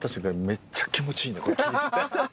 めっちゃ気持ちいいね。